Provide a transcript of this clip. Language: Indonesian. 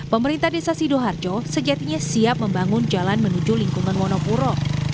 pemerintah desa sidoarjo sejatinya siap membangun jalan menuju lingkungan wonopuro